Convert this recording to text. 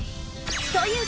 という